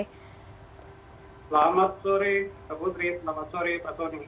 selamat sore mbak putri selamat sore pak soni